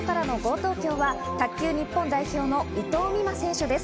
ＴＯＫＹＯは卓球日本代表の伊藤美誠選手です。